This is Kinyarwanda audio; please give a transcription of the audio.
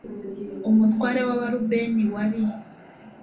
umutware w Abarubeni wari